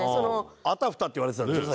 「あたふた」って言われてたんでしょ？